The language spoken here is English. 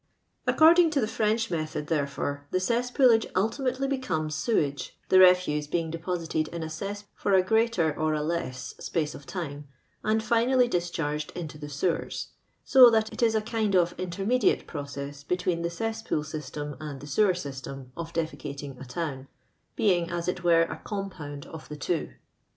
According to the French mc^od, therefore, the cesspoolage ultimately becomes sewage, the refuse being deposited in a cesspool for a greater or a less space of time, and finally discharged into tbo sewers ; so that it is a lund of inter mediate process between the eesspool system and the sewer system of defecating a town, being, aa it were, a oompoond of the two.